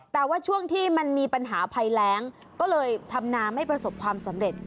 แต่ว่าช่วงที่มันมีปัญหาภัยแรงก็เลยทำนาไม่ประสบความสำเร็จ